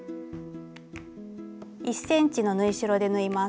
１ｃｍの縫い代で縫います。